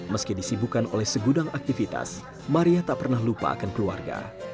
meski disibukan oleh segudang aktivitas maria tak pernah lupa akan keluarga